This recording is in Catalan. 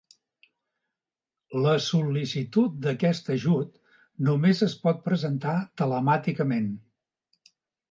La sol·licitud d'aquest ajut només es pot presentar telemàticament.